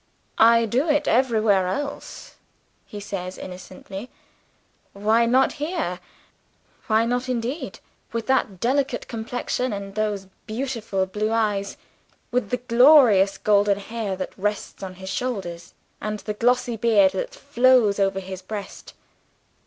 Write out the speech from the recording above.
"I do it everywhere else," he says innocently, "why not here?" Why not indeed with that delicate complexion and those beautiful blue eyes; with the glorious golden hair that rests on his shoulders, and the glossy beard that flows over his breast?